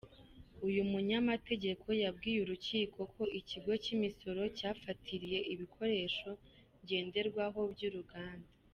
Uyu munyamategeko yabwiye urukiko ko ikigo cy'imisoro cyafatiriye ibikoresho ngenderwaho by'uruganda.